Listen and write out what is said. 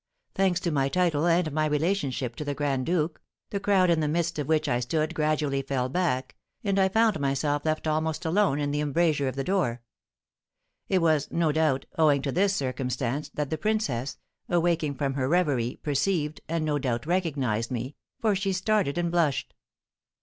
Thanks to my title and my relationship to the grand duke, the crowd in the midst of which I stood gradually fell back, and I found myself left almost alone in the embrasure of the door. It was, no doubt, owing to this circumstance that the princess, awaking from her reverie, perceived, and no doubt recognised me, for she started and blushed.